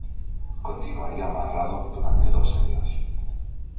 Continuaría amarrado durante dos años.